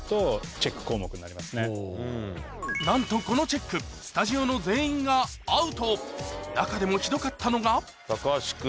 なんとこのチェックスタジオの全員がアウト中でもひどかったのが橋君。